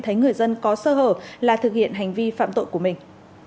thấy người dân có sơ hở là thực hiện hành vi phạm tội của mình